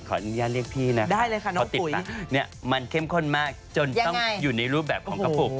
ขออนุญาตเรียกพี่นะฮะมันเข้มข้นมากจนต้องอยู่ในรูปแบบของกระปุก